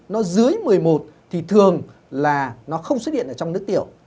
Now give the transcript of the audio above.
nó dưới một mươi một thì thường là nó không xuất hiện ở trong nước tiểu